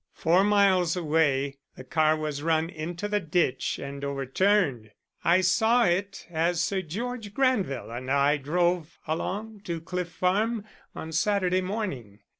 Four miles away the car was run into the ditch and overturned. I saw it as Sir George Granville and I drove along to Cliff Farm on Saturday morning.